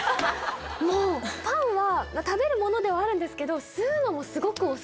もうパンは食べるものではあるんですけどすごく。